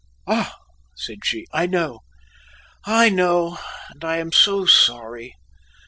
"Ah," said she, "I know; I know! and I am so sorry.